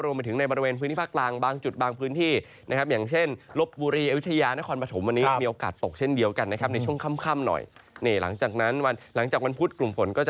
รวมมาถึงในบริเวณพื้นที่ภาคกลางบางจุดบางพื้นที่นะครับอย่างเช่นรบบุรีไอวิทยานครปฐม